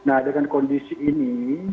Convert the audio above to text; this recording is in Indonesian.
nah dengan kondisi ini